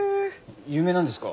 有名なんですか？